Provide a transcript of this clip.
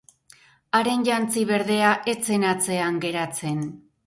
Haren jantzi berdea ez zen atzean geratzen.